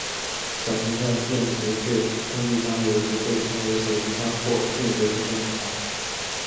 小型的便携式工具箱有时被称为手提箱或便携式工具箱。